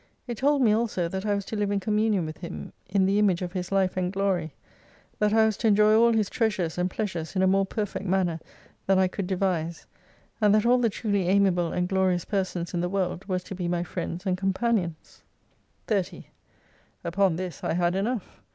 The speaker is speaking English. It told me also that I was to live in communion with Him, in the image of His life and glory, that I was to enjoy all His treasures and pleasures, in a more perfect manner than I could devise, and that all the truly amiable and glorious persons in the world were to be my friends and com panions. 30 Upon this I had enough.